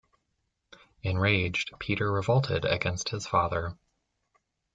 Enraged, Peter revolted against his father.